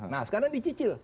nah sekarang dicicil